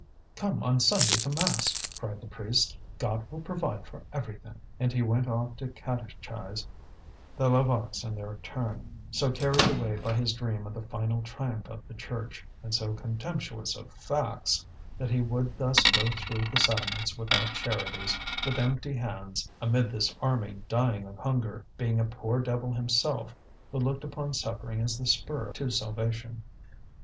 "Come on Sunday to mass," cried the priest. "God will provide for everything." And he went off to catechize the Levaques in their turn, so carried away by his dream of the final triumph of the Church, and so contemptuous of facts, that he would thus go through the settlements without charities, with empty hands amid this army dying of hunger, being a poor devil himself who looked upon suffering as the spur to salvation.